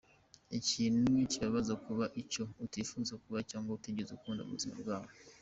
Ikintu kibabaza kuba icyo utifuzaga kuba cyangwa utigeze ukunda mubuzima bwawe.